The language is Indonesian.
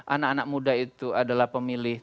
anak anak muda itu adalah pemilih